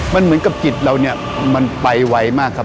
มันเหมือนกับจิตเราเนี่ยมันไปไวมากครับ